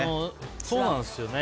そうなんですよね。